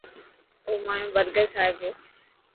او مايو برگر کائي پيو.